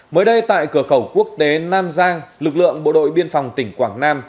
mới đây tại cửa khẩu quốc tế nam giang lực lượng bộ đội biên phòng tỉnh quảng nam